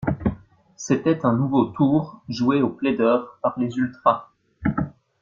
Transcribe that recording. C'était un nouveau tour joué au plaideur par les ultras.